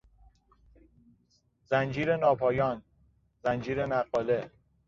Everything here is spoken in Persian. زنجیر ناپایان، زنجیر نقاله